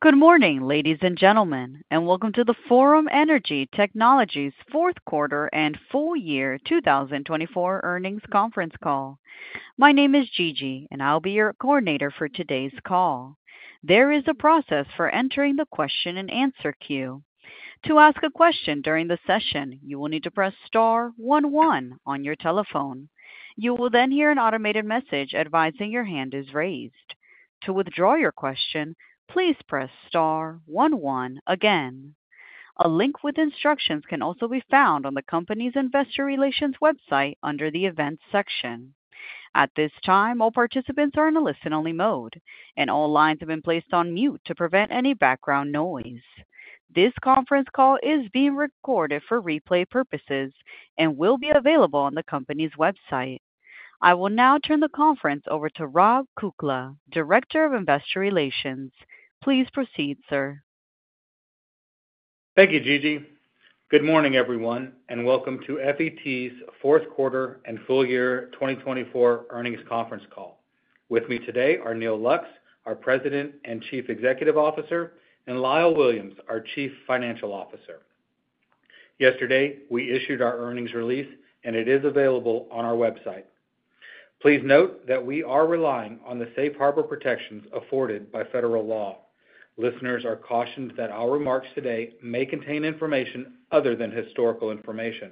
Good morning, ladies and gentlemen, and welcome to the Forum Energy Technologies' fourth quarter and full year 2024 earnings conference call. My name is Gigi, and I'll be your coordinator for today's call. There is a process for entering the question and answer queue. To ask a question during the session, you will need to press star one one on your telephone. You will then hear an automated message advising your hand is raised. To withdraw your question, please press star one one again. A link with instructions can also be found on the company's investor relations website under the events section. At this time, all participants are in a listen-only mode, and all lines have been placed on mute to prevent any background noise. This conference call is being recorded for replay purposes and will be available on the company's website. I will now turn the conference over to Rob Kukla, Director of Investor Relations. Please proceed, sir. Thank you, Gigi. Good morning, everyone, and welcome to FET's fourth quarter and full year 2024 earnings conference call. With me today are Neal Lux, our President and Chief Executive Officer, and Lyle Williams, our Chief Financial Officer. Yesterday, we issued our earnings release, and it is available on our website. Please note that we are relying on the safe harbor protections afforded by federal law. Listeners are cautioned that our remarks today may contain information other than historical information.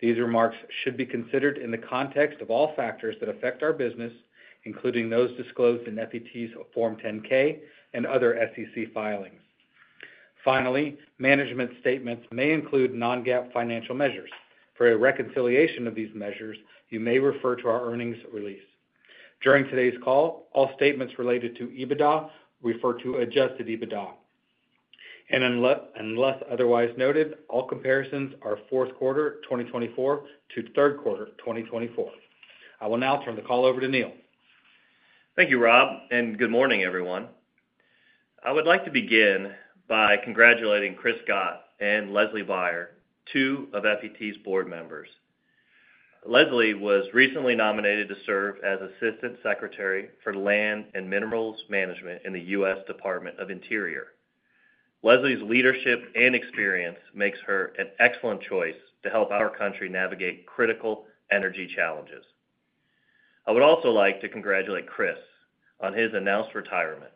These remarks should be considered in the context of all factors that affect our business, including those disclosed in FET's Form 10-K and other SEC filings. Finally, management statements may include non-GAAP financial measures. For a reconciliation of these measures, you may refer to our earnings release. During today's call, all statements related to EBITDA refer to adjusted EBITDA. Unless otherwise noted, all comparisons are fourth quarter 2024 to third quarter 2024. I will now turn the call over to Neal. Thank you, Rob, and good morning, everyone. I would like to begin by congratulating Chris Scott and Leslie Beyer, two of FET's board members. Leslie was recently nominated to serve as Assistant Secretary for Land and Minerals Management in the U.S. Department of Interior. Leslie's leadership and experience make her an excellent choice to help our country navigate critical energy challenges. I would also like to congratulate Chris on his announced retirement.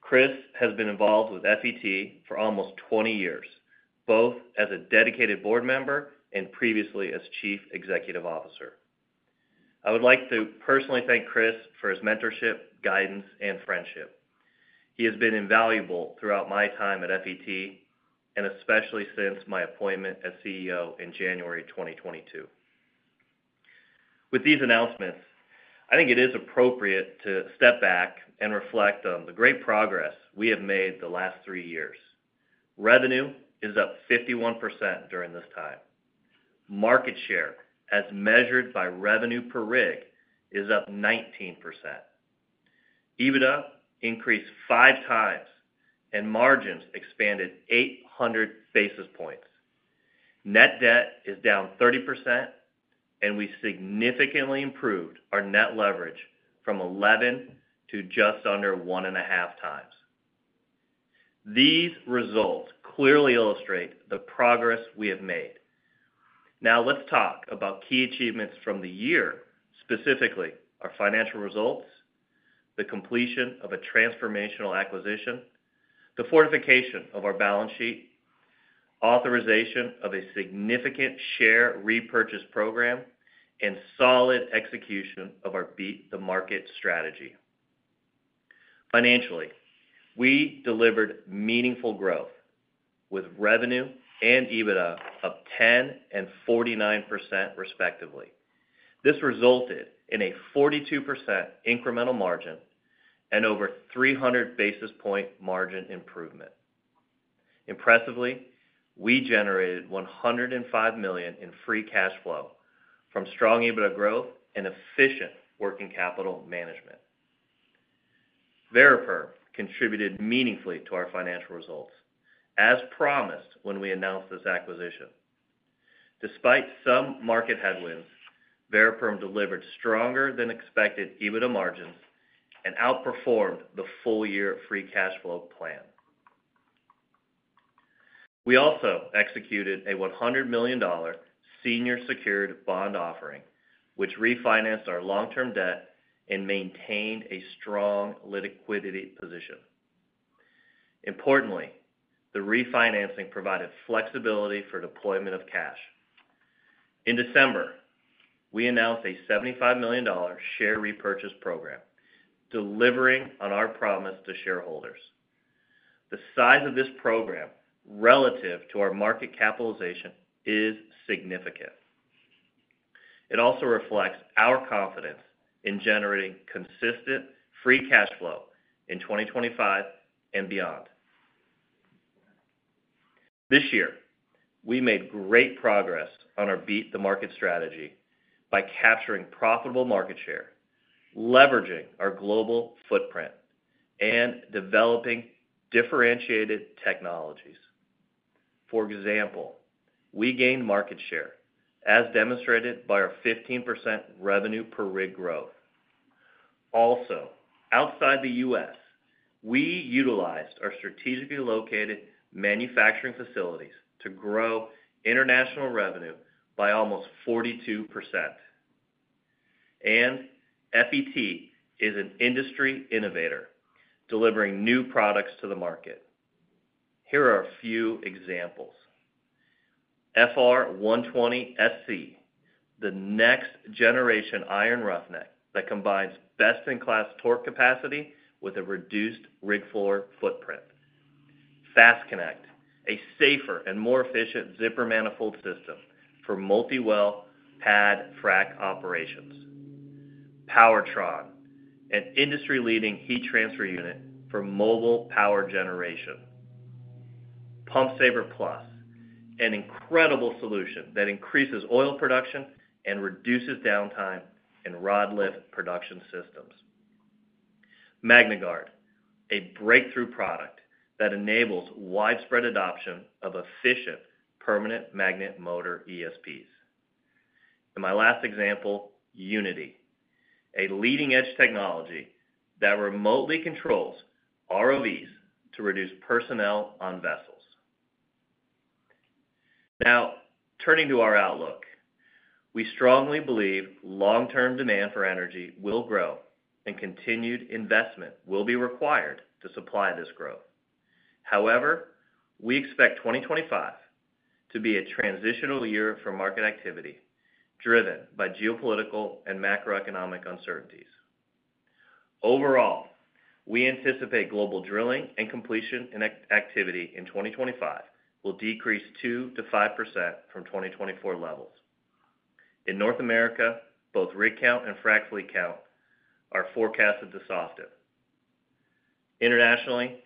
Chris has been involved with FET for almost 20 years, both as a dedicated board member and previously as Chief Executive Officer. I would like to personally thank Chris for his mentorship, guidance, and friendship. He has been invaluable throughout my time at FET, and especially since my appointment as CEO in January 2022. With these announcements, I think it is appropriate to step back and reflect on the great progress we have made the last three years. Revenue is up 51% during this time. Market share, as measured by revenue per rig, is up 19%. EBITDA increased five times, and margins expanded 800 basis points. Net debt is down 30%, and we significantly improved our net leverage from 11 to just under one and a half times. These results clearly illustrate the progress we have made. Now, let's talk about key achievements from the year, specifically our financial results, the completion of a transformational acquisition, the fortification of our balance sheet, authorization of a significant share repurchase program, and solid execution of our beat-the-market strategy. Financially, we delivered meaningful growth with revenue and EBITDA of 10% and 49%, respectively. This resulted in a 42% incremental margin and over 300 basis point margin improvement. Impressively, we generated $105 million in free cash flow from strong EBITDA growth and efficient working capital management. Variperm contributed meaningfully to our financial results, as promised when we announced this acquisition. Despite some market headwinds, Variperm delivered stronger than expected EBITDA margins and outperformed the full year free cash flow plan. We also executed a $100 million senior secured bond offering, which refinanced our long-term debt and maintained a strong liquidity position. Importantly, the refinancing provided flexibility for deployment of cash. In December, we announced a $75 million share repurchase program, delivering on our promise to shareholders. The size of this program relative to our market capitalization is significant. It also reflects our confidence in generating consistent free cash flow in 2025 and beyond. This year, we made great progress on our beat-the-market strategy by capturing profitable market share, leveraging our global footprint, and developing differentiated technologies. For example, we gained market share, as demonstrated by our 15% revenue per rig growth. Also, outside the U.S., we utilized our strategically located manufacturing facilities to grow international revenue by almost 42%. FET is an industry innovator, delivering new products to the market. Here are a few examples: FR120SC, the next generation iron roughneck that combines best-in-class torque capacity with a reduced rig floor footprint; FastConnect, a safer and more efficient zipper manifold system for multi-well pad frac operations; PowerTron, an industry-leading heat transfer unit for mobile power generation; PumpSaver Plus, an incredible solution that increases oil production and reduces downtime in rod lift production systems; MagnaGuard, a breakthrough product that enables widespread adoption of efficient permanent magnet motor ESPs. My last example, Unity, a leading-edge technology that remotely controls ROVs to reduce personnel on vessels. Now, turning to our outlook, we strongly believe long-term demand for energy will grow, and continued investment will be required to supply this growth. However, we expect 2025 to be a transitional year for market activity driven by geopolitical and macroeconomic uncertainties. Overall, we anticipate global drilling and completion activity in 2025 will decrease 2-5% from 2024 levels. In North America, both rig count and frac fleet count are forecasted to soften. Internationally,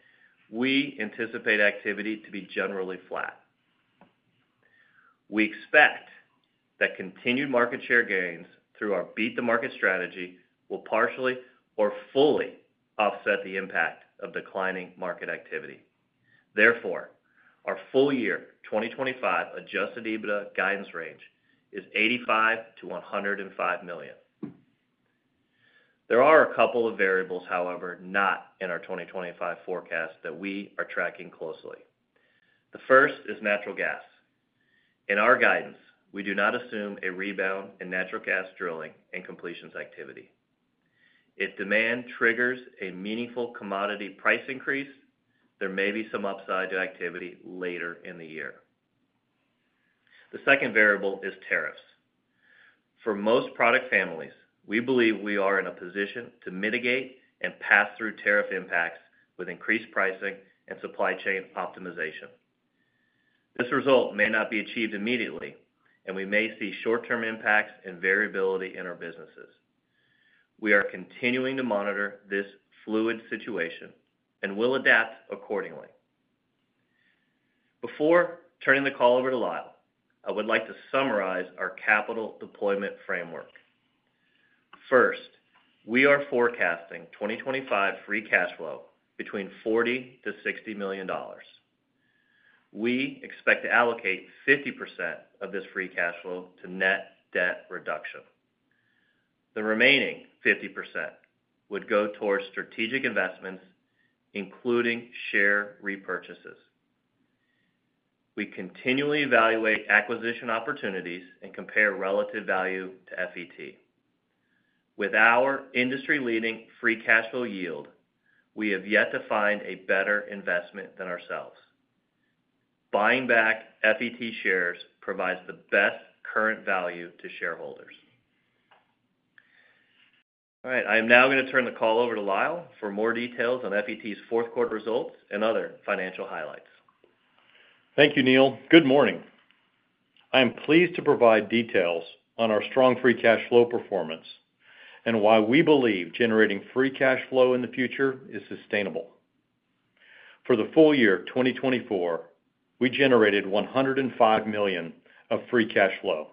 we anticipate activity to be generally flat. We expect that continued market share gains through our beat-the-market strategy will partially or fully offset the impact of declining market activity. Therefore, our full year 2025 adjusted EBITDA guidance range is $85-$105 million. There are a couple of variables, however, not in our 2025 forecast that we are tracking closely. The first is natural gas. In our guidance, we do not assume a rebound in natural gas drilling and completions activity. If demand triggers a meaningful commodity price increase, there may be some upside to activity later in the year. The second variable is tariffs. For most product families, we believe we are in a position to mitigate and pass through tariff impacts with increased pricing and supply chain optimization. This result may not be achieved immediately, and we may see short-term impacts and variability in our businesses. We are continuing to monitor this fluid situation and will adapt accordingly. Before turning the call over to Lyle, I would like to summarize our capital deployment framework. First, we are forecasting 2025 free cash flow between $40-$60 million. We expect to allocate 50% of this free cash flow to net debt reduction. The remaining 50% would go towards strategic investments, including share repurchases. We continually evaluate acquisition opportunities and compare relative value to FET. With our industry-leading free cash flow yield, we have yet to find a better investment than ourselves. Buying back FET shares provides the best current value to shareholders. All right, I am now going to turn the call over to Lyle for more details on FET's fourth quarter results and other financial highlights. Thank you, Neal. Good morning. I am pleased to provide details on our strong free cash flow performance and why we believe generating free cash flow in the future is sustainable. For the full year 2024, we generated $105 million of free cash flow.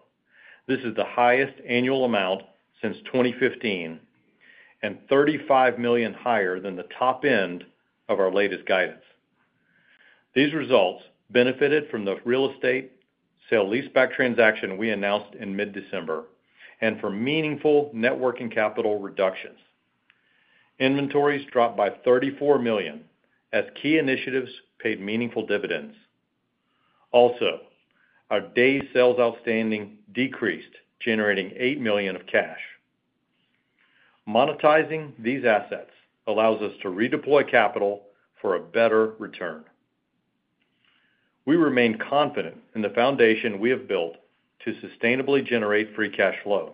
This is the highest annual amount since 2015 and $35 million higher than the top end of our latest guidance. These results benefited from the real estate sale lease-back transaction we announced in mid-December and from meaningful networking capital reductions. Inventories dropped by $34 million as key initiatives paid meaningful dividends. Also, our day sales outstanding decreased, generating $8 million of cash. Monetizing these assets allows us to redeploy capital for a better return. We remain confident in the foundation we have built to sustainably generate free cash flow.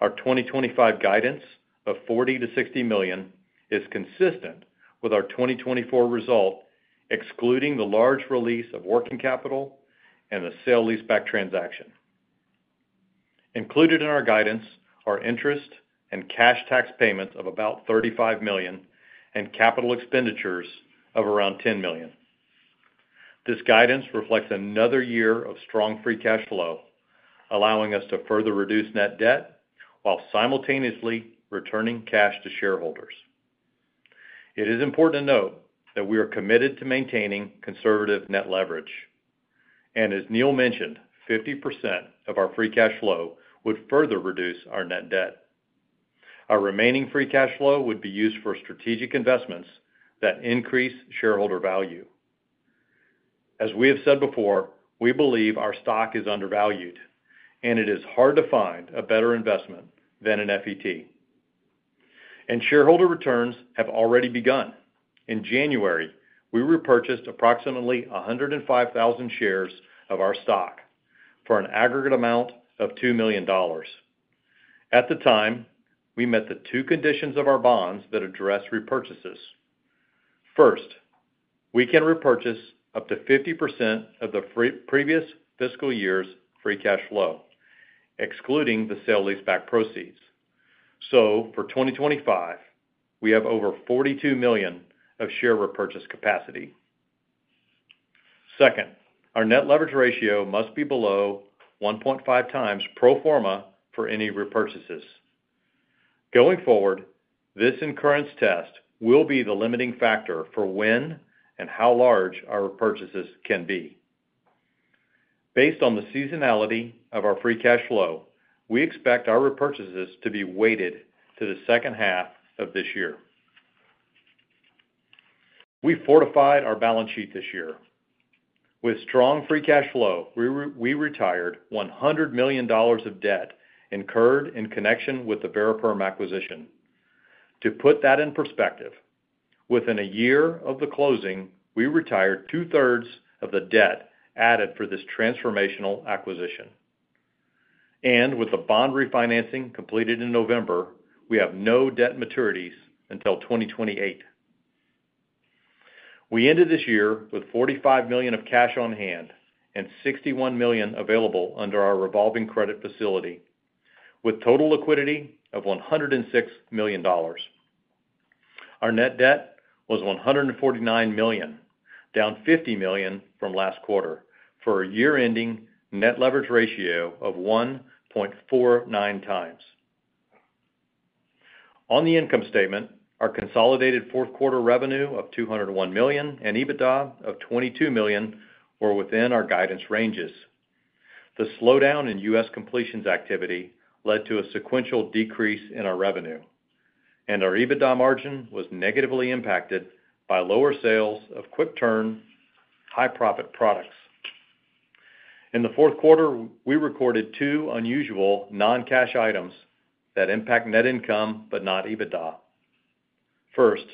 Our 2025 guidance of $40 million-$60 million is consistent with our 2024 result, excluding the large release of working capital and the sale lease-back transaction. Included in our guidance are interest and cash tax payments of about $35 million and capital expenditures of around $10 million. This guidance reflects another year of strong free cash flow, allowing us to further reduce net debt while simultaneously returning cash to shareholders. It is important to note that we are committed to maintaining conservative net leverage. As Neal mentioned, 50% of our free cash flow would further reduce our net debt. Our remaining free cash flow would be used for strategic investments that increase shareholder value. As we have said before, we believe our stock is undervalued, and it is hard to find a better investment than FET. Shareholder returns have already begun. In January, we repurchased approximately 105,000 shares of our stock for an aggregate amount of $2 million. At the time, we met the two conditions of our bonds that address repurchases. First, we can repurchase up to 50% of the previous fiscal year's free cash flow, excluding the sale lease-back proceeds. For 2025, we have over $42 million of share repurchase capacity. Second, our net leverage ratio must be below 1.5 times pro forma for any repurchases. Going forward, this incurrence test will be the limiting factor for when and how large our repurchases can be. Based on the seasonality of our free cash flow, we expect our repurchases to be weighted to the second half of this year. We fortified our balance sheet this year. With strong free cash flow, we retired $100 million of debt incurred in connection with the Variperm acquisition. To put that in perspective, within a year of the closing, we retired two-thirds of the debt added for this transformational acquisition. With the bond refinancing completed in November, we have no debt maturities until 2028. We ended this year with $45 million of cash on hand and $61 million available under our revolving credit facility, with total liquidity of $106 million. Our net debt was $149 million, down $50 million from last quarter, for a year-ending net leverage ratio of 1.49 times. On the income statement, our consolidated fourth quarter revenue of $201 million and EBITDA of $22 million were within our guidance ranges. The slowdown in U.S. completions activity led to a sequential decrease in our revenue, and our EBITDA margin was negatively impacted by lower sales of quick-turn, high-profit products. In the fourth quarter, we recorded two unusual non-cash items that impact net income but not EBITDA. First,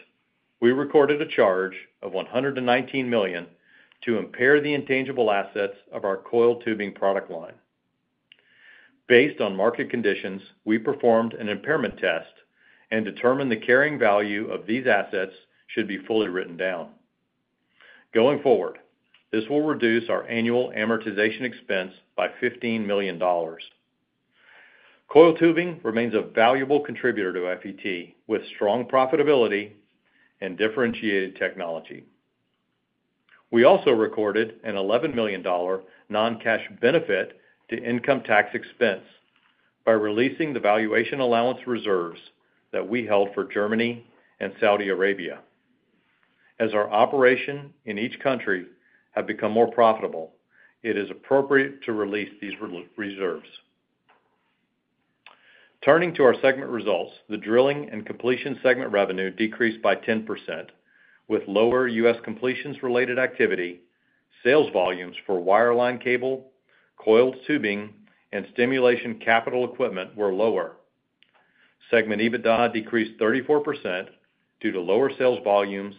we recorded a charge of $119 million to impair the intangible assets of our coil tubing product line. Based on market conditions, we performed an impairment test and determined the carrying value of these assets should be fully written down. Going forward, this will reduce our annual amortization expense by $15 million. Coil tubing remains a valuable contributor to FET with strong profitability and differentiated technology. We also recorded an $11 million non-cash benefit to income tax expense by releasing the valuation allowance reserves that we held for Germany and Saudi Arabia. As our operations in each country have become more profitable, it is appropriate to release these reserves. Turning to our segment results, the drilling and completion segment revenue decreased by 10%, with lower U.S. completions-related activity. Sales volumes for wireline cable, coil tubing, and stimulation capital equipment were lower. Segment EBITDA decreased 34% due to lower sales volumes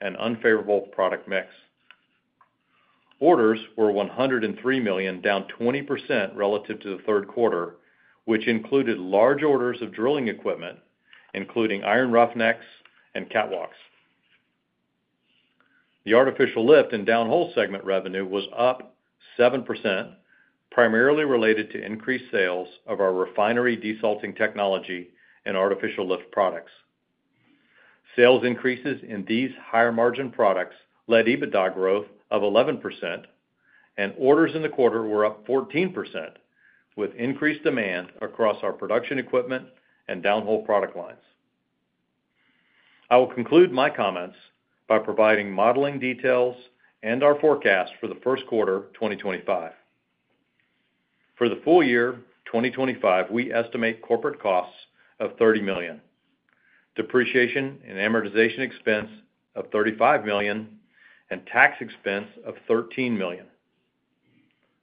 and unfavorable product mix. Orders were $103 million, down 20% relative to the third quarter, which included large orders of drilling equipment, including iron roughnecks and catwalks. The artificial lift and downhole segment revenue was up 7%, primarily related to increased sales of our refinery desalting technology and artificial lift products. Sales increases in these higher margin products led to EBITDA growth of 11%, and orders in the quarter were up 14%, with increased demand across our production equipment and downhole product lines. I will conclude my comments by providing modeling details and our forecast for the first quarter 2025. For the full year 2025, we estimate corporate costs of $30 million, depreciation and amortization expense of $35 million, and tax expense of $13 million.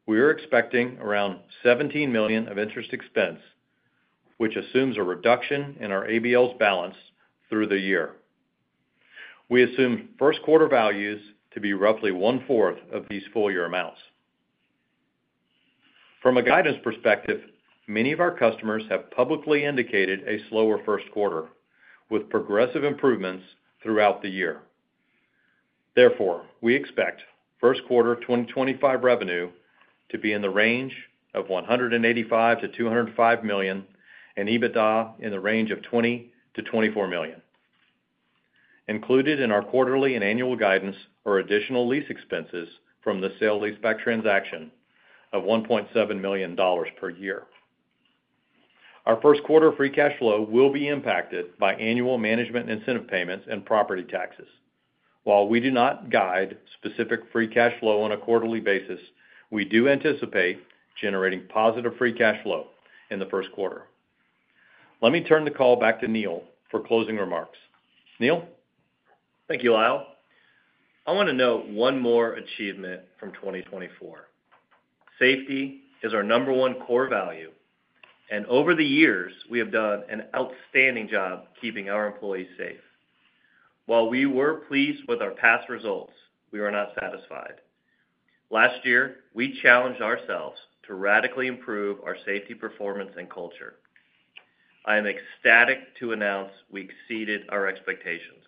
We are expecting around $17 million of interest expense, which assumes a reduction in our ABL balance through the year. We assume first quarter values to be roughly one-fourth of these full year amounts. From a guidance perspective, many of our customers have publicly indicated a slower first quarter with progressive improvements throughout the year. Therefore, we expect first quarter 2025 revenue to be in the range of $185-$205 million and EBITDA in the range of $20-$24 million. Included in our quarterly and annual guidance are additional lease expenses from the sale lease-back transaction of $1.7 million per year. Our first quarter free cash flow will be impacted by annual management incentive payments and property taxes. While we do not guide specific free cash flow on a quarterly basis, we do anticipate generating positive free cash flow in the first quarter. Let me turn the call back to Neal for closing remarks. Neal? Thank you, Lyle. I want to note one more achievement from 2024. Safety is our number one core value, and over the years, we have done an outstanding job keeping our employees safe. While we were pleased with our past results, we were not satisfied. Last year, we challenged ourselves to radically improve our safety performance and culture. I am ecstatic to announce we exceeded our expectations.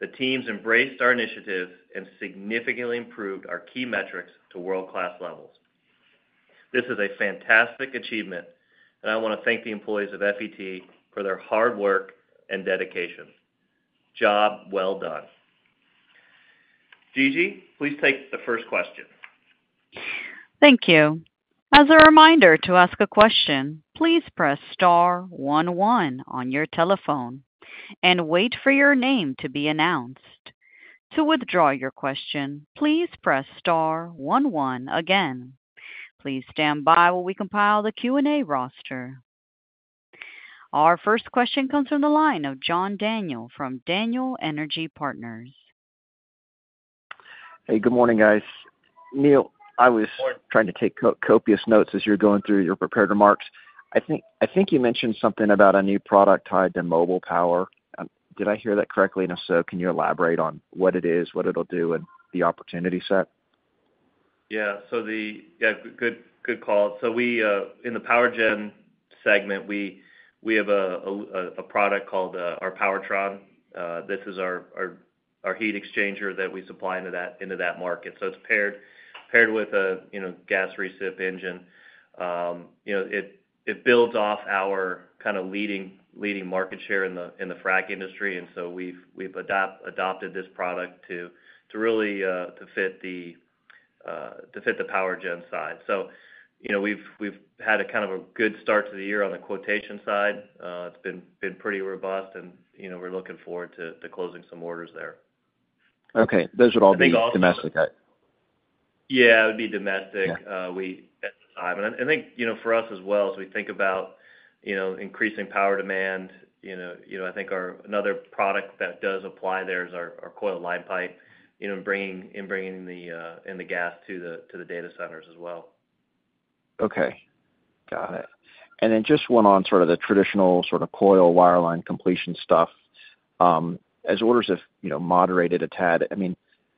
The teams embraced our initiative and significantly improved our key metrics to world-class levels. This is a fantastic achievement, and I want to thank the employees of FET for their hard work and dedication. Job well done. Gigi, please take the first question. Thank you. As a reminder to ask a question, please press star one one on your telephone and wait for your name to be announced. To withdraw your question, please press star one one again. Please stand by while we compile the Q&A roster. Our first question comes from the line of John Daniel from Daniel Energy Partners. Hey, good morning, guys. Neal, I was trying to take copious notes as you're going through your prepared remarks. I think you mentioned something about a new product tied to mobile power. Did I hear that correctly? If so, can you elaborate on what it is, what it'll do, and the opportunity set? Yeah, good call. We, in the power gen segment, have a product called our PowerTron. This is our heat exchanger that we supply into that market. It is paired with a gas recip engine. It builds off our kind of leading market share in the frac industry. We have adopted this product to really fit the power gen side. We have had a good start to the year on the quotation side. It has been pretty robust, and we are looking forward to closing some orders there. Okay. Those would all be domestic, right? Yeah, it would be domestic. I think for us as well, as we think about increasing power demand, I think another product that does apply there is our Coil Line Pipe and bringing the gas to the data centers as well. Okay. Got it. Just one on sort of the traditional sort of coil wireline completion stuff. As orders have moderated a tad, I mean,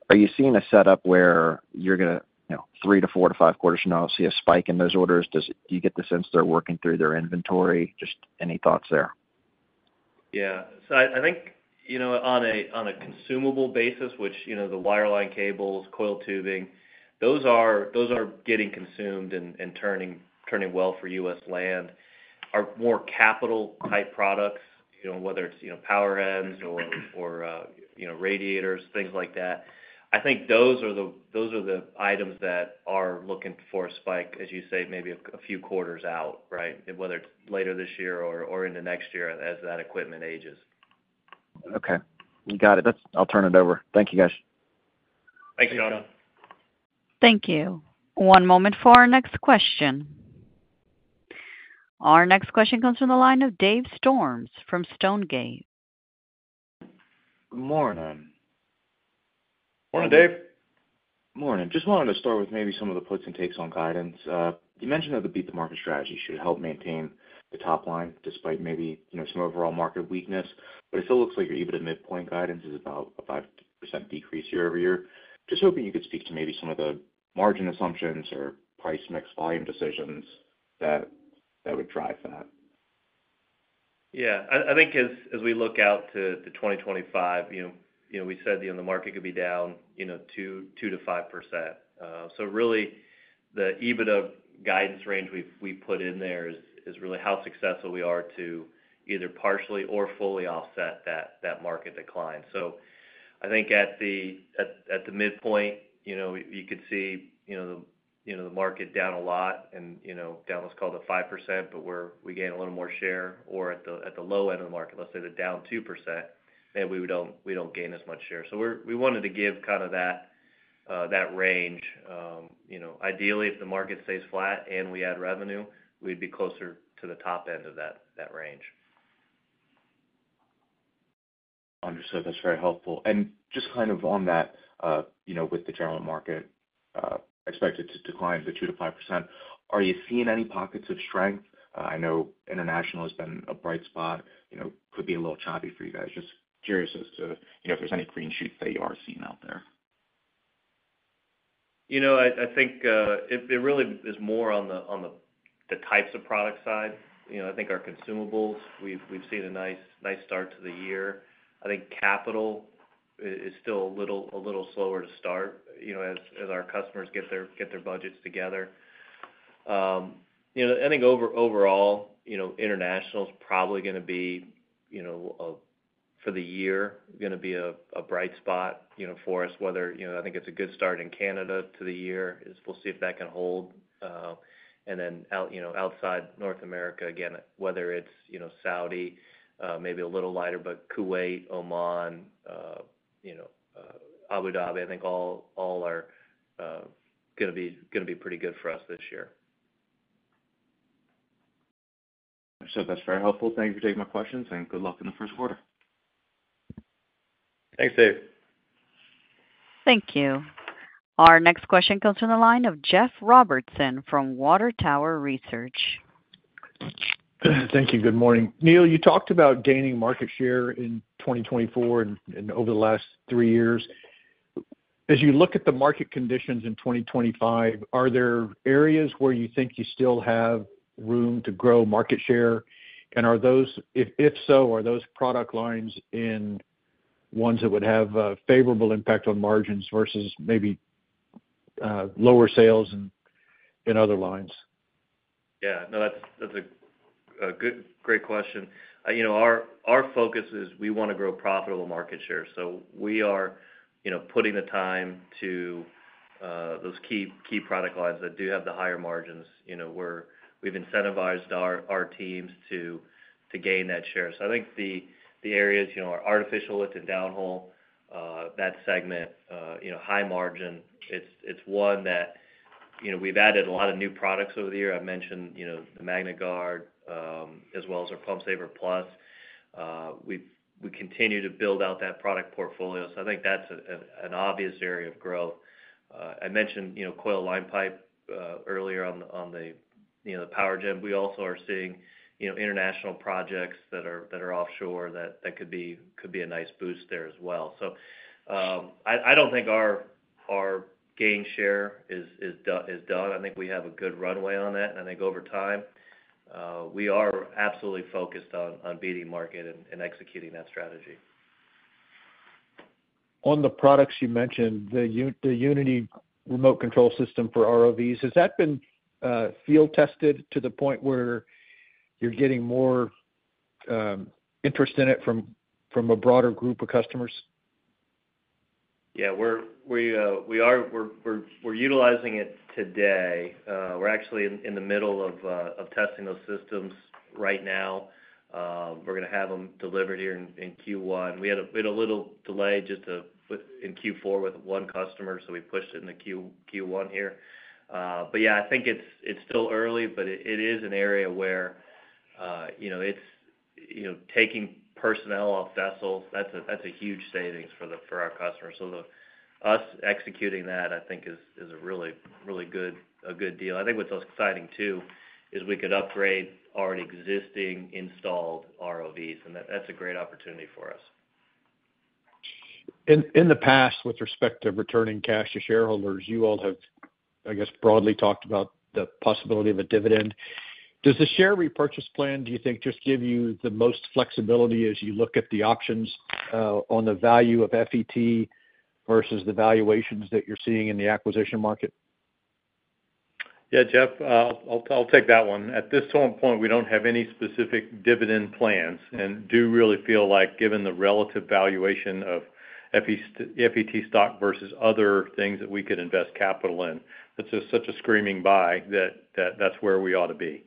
are you seeing a setup where you're going to three to four to five quarters from now, see a spike in those orders? Do you get the sense they're working through their inventory? Just any thoughts there? Yeah. I think on a consumable basis, which the wireline cables, coil tubing, those are getting consumed and turning well for U.S. land. Our more capital-type products, whether it's power ends or radiators, things like that, I think those are the items that are looking for a spike, as you say, maybe a few quarters out, right? Whether it's later this year or into next year as that equipment ages. Okay. Got it. I'll turn it over. Thank you, guys. Thank you, John. Thank you. One moment for our next question. Our next question comes from the line of Dave Storms from Stonegate. Good morning. Morning, Dave. Morning. Just wanted to start with maybe some of the points and takes on guidance. You mentioned that the beat the market strategy should help maintain the top line despite maybe some overall market weakness. It still looks like your EBITDA midpoint guidance is about a 5% decrease year over year. Just hoping you could speak to maybe some of the margin assumptions or price mix volume decisions that would drive that. Yeah. I think as we look out to 2025, we said the market could be down 2-5%. Really, the EBITDA guidance range we put in there is really how successful we are to either partially or fully offset that market decline. I think at the midpoint, you could see the market down a lot and down, let's call it 5%, but we gain a little more share. At the low end of the market, let's say down 2%, maybe we do not gain as much share. We wanted to give kind of that range. Ideally, if the market stays flat and we add revenue, we would be closer to the top end of that range. Understood. That's very helpful. Just kind of on that, with the general market expected to decline 2-5%, are you seeing any pockets of strength? I know international has been a bright spot. Could be a little choppy for you guys. Just curious as to if there's any green shoots that you are seeing out there. I think it really is more on the types of product side. I think our consumables, we've seen a nice start to the year. I think capital is still a little slower to start as our customers get their budgets together. I think overall, international is probably going to be, for the year, going to be a bright spot for us. I think it's a good start in Canada to the year. We'll see if that can hold. Outside North America, again, whether it's Saudi, maybe a little lighter, but Kuwait, Oman, Abu Dhabi, I think all are going to be pretty good for us this year. Understood. That's very helpful. Thank you for taking my questions, and good luck in the first quarter. Thanks, Dave. Thank you. Our next question comes from the line of Jeffrey Robertson from Water Tower Research. Thank you. Good morning. Neal, you talked about gaining market share in 2024 and over the last three years. As you look at the market conditions in 2025, are there areas where you think you still have room to grow market share? If so, are those product lines in ones that would have a favorable impact on margins versus maybe lower sales in other lines? Yeah. No, that's a great question. Our focus is we want to grow profitable market share. We are putting the time to those key product lines that do have the higher margins. We've incentivized our teams to gain that share. I think the areas are artificial lift and downhole, that segment, high margin. It's one that we've added a lot of new products over the year. I mentioned the MagnaGuard as well as our PumpSaver Plus. We continue to build out that product portfolio. I think that's an obvious area of growth. I mentioned coil line pipe earlier on the power gen. We also are seeing international projects that are offshore that could be a nice boost there as well. I don't think our gain share is done. I think we have a good runway on that. I think over time, we are absolutely focused on beating market and executing that strategy. On the products you mentioned, the Unity remote control system for ROVs, has that been field tested to the point where you're getting more interest in it from a broader group of customers? Yeah. We're utilizing it today. We're actually in the middle of testing those systems right now. We're going to have them delivered here in Q1. We had a little delay just in Q4 with one customer, so we pushed it into Q1 here. Yeah, I think it's still early, but it is an area where it's taking personnel off vessels. That's a huge savings for our customers. Us executing that, I think, is a really good deal. I think what's exciting too is we could upgrade already existing installed ROVs, and that's a great opportunity for us. In the past, with respect to returning cash to shareholders, you all have, I guess, broadly talked about the possibility of a dividend. Does the share repurchase plan, do you think, just give you the most flexibility as you look at the options on the value of FET versus the valuations that you're seeing in the acquisition market? Yeah, Jeff, I'll take that one. At this point, we don't have any specific dividend plans and do really feel like, given the relative valuation of FET stock versus other things that we could invest capital in, it's such a screaming buy that that's where we ought to be.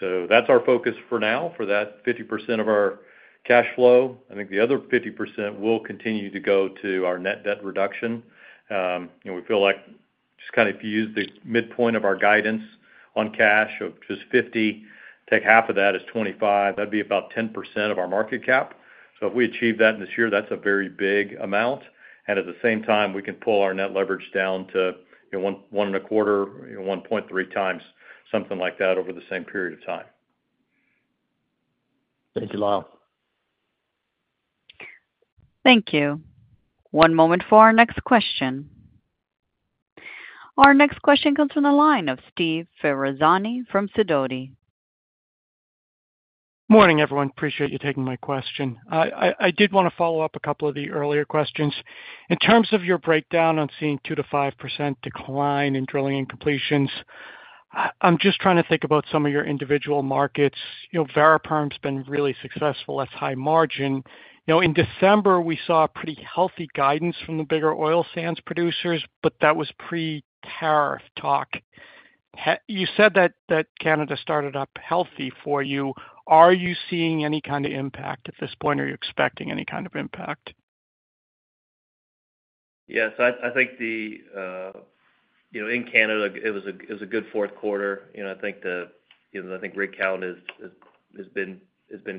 That's our focus for now for that 50% of our cash flow. I think the other 50% will continue to go to our net debt reduction. We feel like just kind of if you use the midpoint of our guidance on cash of just $50 million, take half of that as $25 million, that'd be about 10% of our market cap. If we achieve that this year, that's a very big amount. At the same time, we can pull our net leverage down to one and a quarter, 1.3 times, something like that over the same period of time. Thank you, Lyle. Thank you. One moment for our next question. Our next question comes from the line of Steve Ferazani from Sidoti. Morning, everyone. Appreciate you taking my question. I did want to follow up a couple of the earlier questions. In terms of your breakdown on seeing 2-5% decline in drilling and completions, I'm just trying to think about some of your individual markets. Variperm's been really successful. That's high margin. In December, we saw pretty healthy guidance from the bigger oil sands producers, but that was pre-tariff talk. You said that Canada started up healthy for you. Are you seeing any kind of impact at this point? Are you expecting any kind of impact? Yeah. I think in Canada, it was a good fourth quarter. I think the rig count has been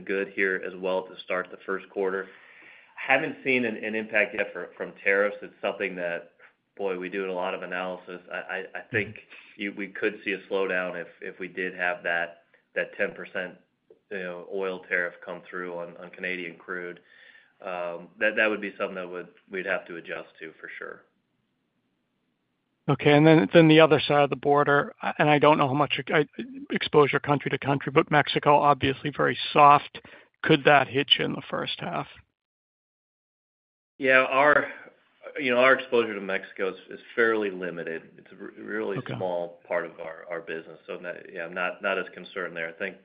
good here as well to start the first quarter. Haven't seen an impact yet from tariffs. It's something that, boy, we do a lot of analysis. I think we could see a slowdown if we did have that 10% oil tariff come through on Canadian crude. That would be something that we'd have to adjust to for sure. Okay. The other side of the border, and I do not know how much exposure country to country, but Mexico, obviously very soft. Could that hitch in the first half? Yeah. Our exposure to Mexico is fairly limited. It's a really small part of our business. Yeah, not as concerned there. I think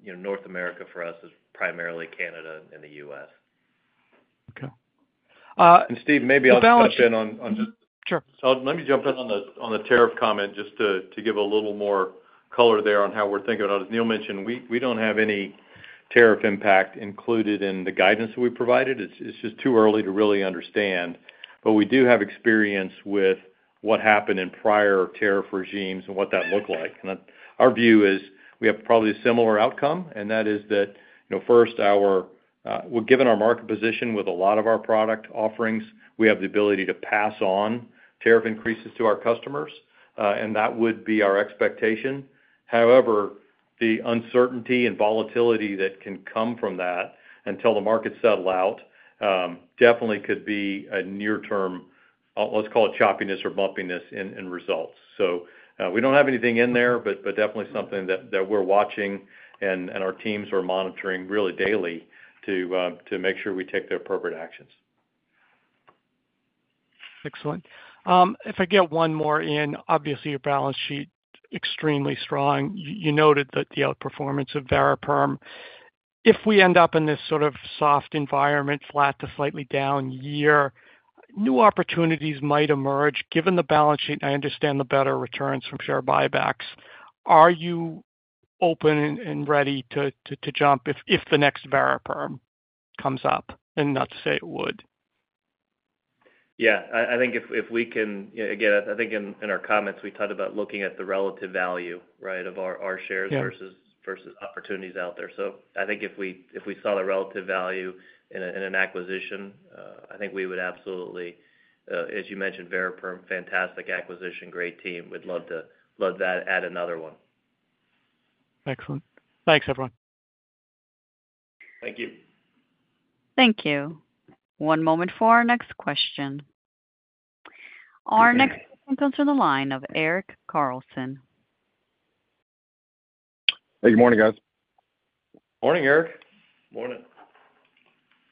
North America for us is primarily Canada and the U.S. Okay. Steve, maybe I'll jump in on just. Sure. Let me jump in on the tariff comment just to give a little more color there on how we're thinking about it. As Neal mentioned, we don't have any tariff impact included in the guidance that we provided. It's just too early to really understand. We do have experience with what happened in prior tariff regimes and what that looked like. Our view is we have probably a similar outcome, and that is that first, given our market position with a lot of our product offerings, we have the ability to pass on tariff increases to our customers. That would be our expectation. However, the uncertainty and volatility that can come from that until the market settles out definitely could be a near-term, let's call it choppiness or bumpiness in results. We do not have anything in there, but definitely something that we are watching and our teams are monitoring really daily to make sure we take the appropriate actions. Excellent. If I get one more in, obviously your balance sheet is extremely strong. You noted that the outperformance of Variperm. If we end up in this sort of soft environment, flat to slightly down year, new opportunities might emerge. Given the balance sheet, and I understand the better returns from share buybacks, are you open and ready to jump if the next Variperm comes up? Not to say it would. Yeah. I think if we can, again, I think in our comments, we talked about looking at the relative value, right, of our shares versus opportunities out there. I think if we saw the relative value in an acquisition, I think we would absolutely, as you mentioned, Variperm, fantastic acquisition, great team. We'd love that at another one. Excellent. Thanks, everyone. Thank you. Thank you. One moment for our next question. Our next question comes from the line of Eric Carlson. Hey, good morning, guys. Morning, Eric. Morning.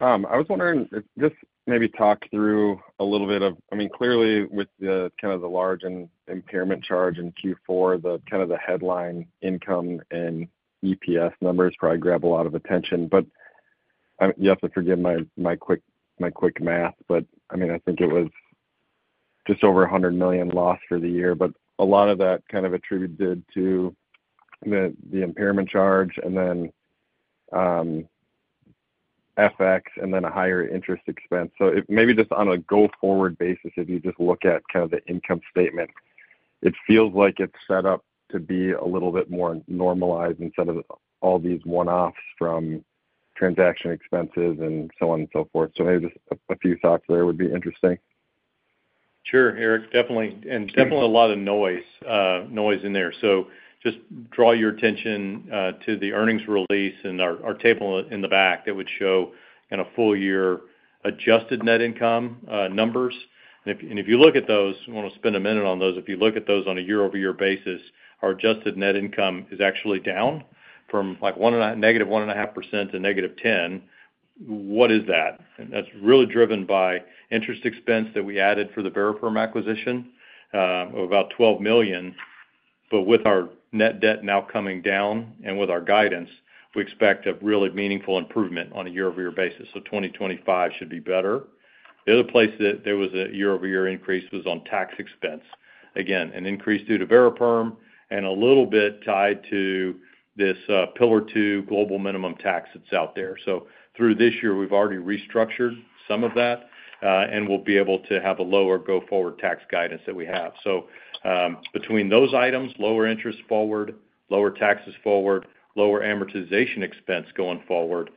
I was wondering if just maybe talk through a little bit of, I mean, clearly with kind of the large impairment charge in Q4, kind of the headline income and EPS numbers probably grab a lot of attention. You have to forgive my quick math, but I mean, I think it was just over $100 million lost for the year. A lot of that kind of attributed to the impairment charge and then FX and then a higher interest expense. Maybe just on a go-forward basis, if you just look at kind of the income statement, it feels like it's set up to be a little bit more normalized instead of all these one-offs from transaction expenses and so on and so forth. Maybe just a few thoughts there would be interesting. Sure, Eric. Definitely. There is definitely a lot of noise in there. Just draw your attention to the earnings release and our table in the back that would show kind of full-year adjusted net income numbers. If you look at those, I want to spend a minute on those. If you look at those on a year-over-year basis, our adjusted net income is actually down from negative 1.5% to negative 10%. What is that? That is really driven by interest expense that we added for the Variperm acquisition of about $12 million. With our net debt now coming down and with our guidance, we expect a really meaningful improvement on a year-over-year basis. 2025 should be better. The other place that there was a year-over-year increase was on tax expense. Again, an increase due to Variperm and a little bit tied to this Pillar 2 Global Minimum Tax that's out there. Through this year, we've already restructured some of that, and we'll be able to have a lower go-forward tax guidance that we have. Between those items, lower interest forward, lower taxes forward, lower amortization expense going forward,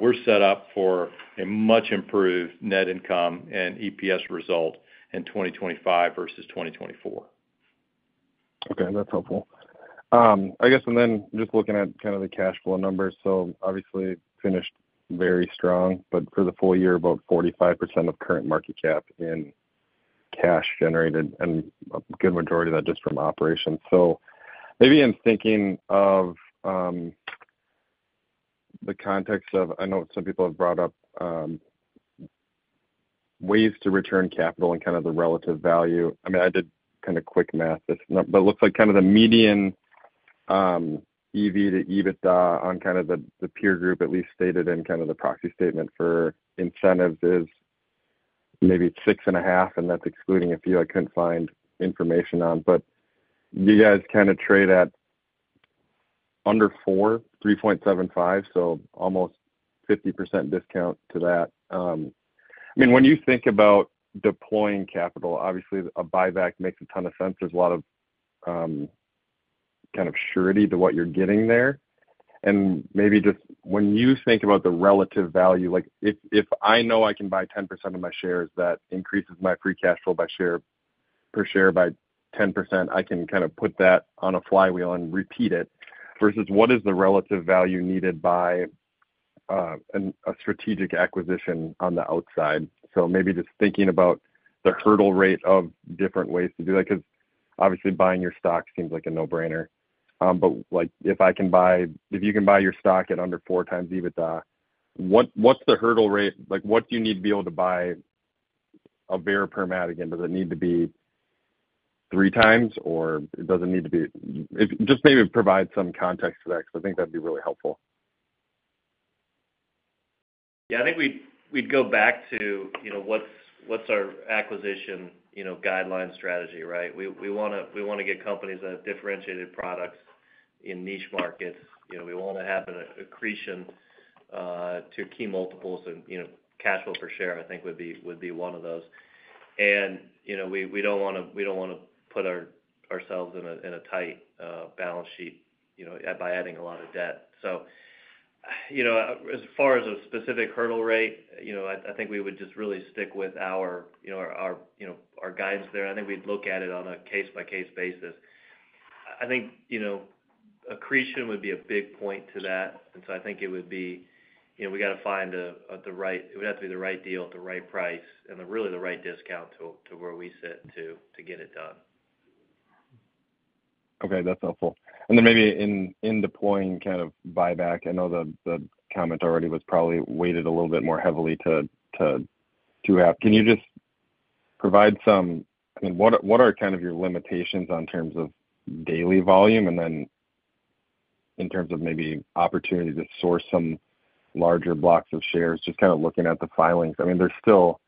we're set up for a much improved net income and EPS result in 2025 versus 2024. Okay. That's helpful. I guess, and then just looking at kind of the cash flow numbers. Obviously finished very strong, but for the full year, about 45% of current market cap in cash generated, and a good majority of that just from operations. Maybe in thinking of the context of, I know some people have brought up ways to return capital and kind of the relative value. I mean, I did kind of quick math, but it looks like kind of the median EV to EBITDA on kind of the peer group, at least stated in kind of the proxy statement for incentives, is maybe 6.5, and that's excluding a few I couldn't find information on. You guys kind of trade at under 4, 3.75, so almost 50% discount to that. I mean, when you think about deploying capital, obviously a buyback makes a ton of sense. There's a lot of kind of surety to what you're getting there. Maybe just when you think about the relative value, if I know I can buy 10% of my shares, that increases my free cash flow per share by 10%. I can kind of put that on a flywheel and repeat it versus what is the relative value needed by a strategic acquisition on the outside. Maybe just thinking about the hurdle rate of different ways to do that, because obviously buying your stock seems like a no-brainer. If I can buy, if you can buy your stock at under 4 times EBITDA, what's the hurdle rate? What do you need to be able to buy a Variperm ad again? Does it need to be 3 times, or does it need to be just maybe provide some context to that? Because I think that'd be really helpful. Yeah. I think we'd go back to what's our acquisition guideline strategy, right? We want to get companies that have differentiated products in niche markets. We want to have an accretion to key multiples, and cash flow per share, I think, would be one of those. We don't want to put ourselves in a tight balance sheet by adding a lot of debt. As far as a specific hurdle rate, I think we would just really stick with our guidance there. I think we'd look at it on a case-by-case basis. I think accretion would be a big point to that. I think it would be we got to find the right, it would have to be the right deal at the right price and really the right discount to where we sit to get it done. Okay. That's helpful. Maybe in deploying kind of buyback, I know the comment already was probably weighted a little bit more heavily to half. Can you just provide some, I mean, what are kind of your limitations on terms of daily volume and then in terms of maybe opportunity to source some larger blocks of shares, just kind of looking at the filings? I mean, there's still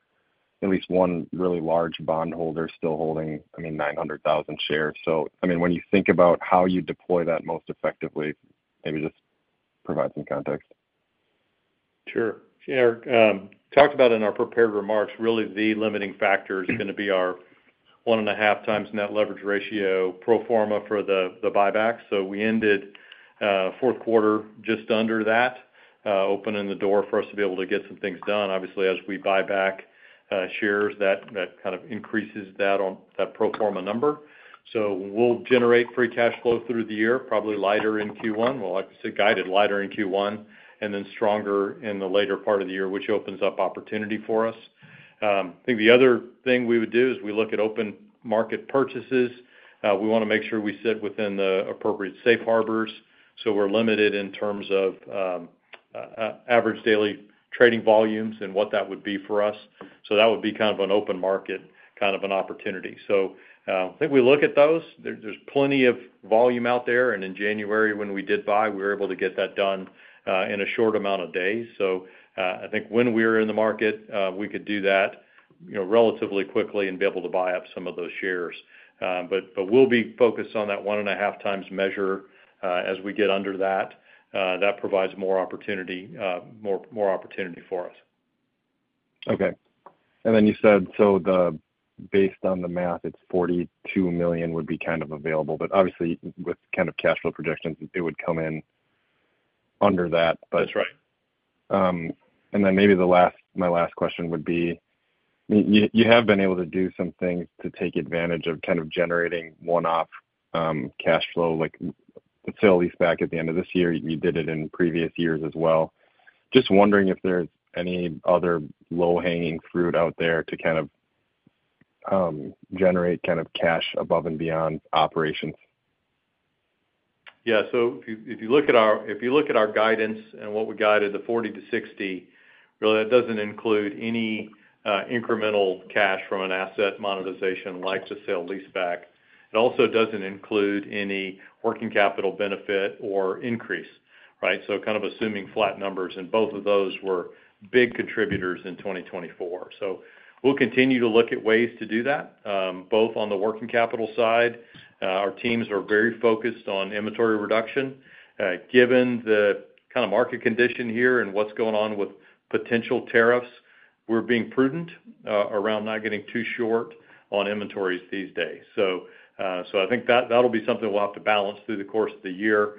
at least one really large bondholder still holding, I mean, 900,000 shares. I mean, when you think about how you deploy that most effectively, maybe just provide some context. Sure. Yeah. Talked about in our prepared remarks, really the limiting factor is going to be our 1.5 times net leverage ratio pro forma for the buyback. We ended fourth quarter just under that, opening the door for us to be able to get some things done. Obviously, as we buy back shares, that kind of increases that pro forma number. We will generate free cash flow through the year, probably lighter in Q1. We, like I said, guided lighter in Q1 and then stronger in the later part of the year, which opens up opportunity for us. I think the other thing we would do is we look at open market purchases. We want to make sure we sit within the appropriate safe harbors. We are limited in terms of average daily trading volumes and what that would be for us. That would be kind of an open market kind of an opportunity. I think we look at those. There's plenty of volume out there. In January, when we did buy, we were able to get that done in a short amount of days. I think when we were in the market, we could do that relatively quickly and be able to buy up some of those shares. We'll be focused on that 1.5 times measure as we get under that. That provides more opportunity, more opportunity for us. Okay. You said, based on the math, it's $42 million would be kind of available. Obviously, with kind of cash flow projections, it would come in under that. That's right. Maybe my last question would be, you have been able to do some things to take advantage of kind of generating one-off cash flow, like the sale lease back at the end of this year. You did it in previous years as well. Just wondering if there's any other low-hanging fruit out there to kind of generate kind of cash above and beyond operations. Yeah. If you look at our guidance and what we guided, the $40-60 million really does not include any incremental cash from an asset monetization like the sale lease back. It also does not include any working capital benefit or increase, right? Kind of assuming flat numbers. Both of those were big contributors in 2024. We will continue to look at ways to do that, both on the working capital side. Our teams are very focused on inventory reduction. Given the kind of market condition here and what is going on with potential tariffs, we are being prudent around not getting too short on inventories these days. I think that will be something we will have to balance through the course of the year.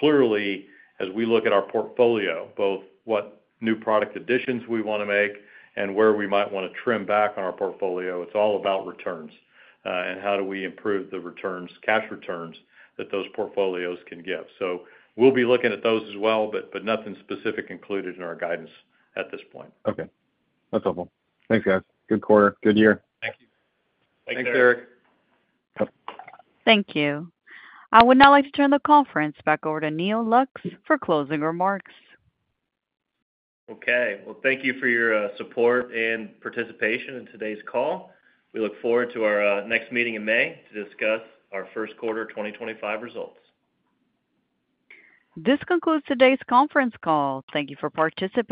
Clearly, as we look at our portfolio, both what new product additions we want to make and where we might want to trim back on our portfolio, it is all about returns and how do we improve the returns, cash returns that those portfolios can give. We will be looking at those as well, but nothing specific included in our guidance at this point. Okay. That's helpful. Thanks, guys. Good quarter. Good year. Thank you. Thanks, Eric. Thank you. Thank you. I would now like to turn the conference back over to Neal Lux for closing remarks. Okay. Thank you for your support and participation in today's call. We look forward to our next meeting in May to discuss our first quarter 2025 results. This concludes today's conference call. Thank you for participating.